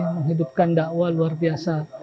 menghidupkan dakwah luar biasa